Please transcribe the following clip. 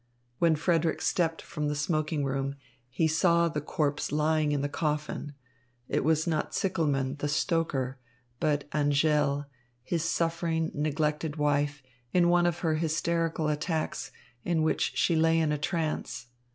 When Frederick stepped from the smoking room, he saw the corpse lying in the coffin. It was not Zickelmann, the stoker, but Angèle, his suffering, neglected wife, in one of her hysterical attacks in which she lay in a trance.